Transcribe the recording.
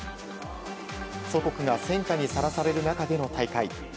祖国が戦火にさらされる中での大会。